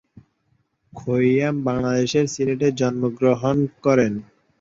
খৈয়াম বাংলাদেশের সিলেটে জন্মগ্রহণ করেন।